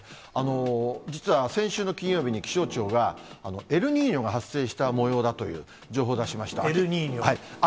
実は先週の金曜日に、気象庁が、エルニーニョが発生したもようだという情報を出しました。